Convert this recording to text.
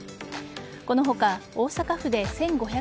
この他、大阪府で１５０２人